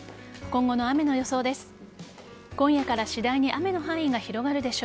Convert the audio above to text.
今後の雨の予想です。